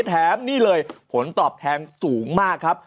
แถมนี่เลยผลตอบแทนสูงมากครับ